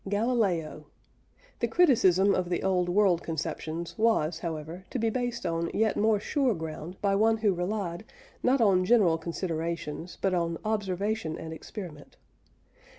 GALILEO. The criticism of the old world conceptions was, however, to be based on yet more sure ground by one who relied, not on general considerations, but on observation and experiment.